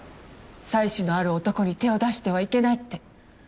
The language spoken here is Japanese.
妻子のある男に手を出してはいけないって。